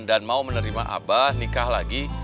dan mau menerima abah nikah lagi